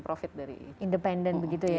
profit dari itu independent begitu ya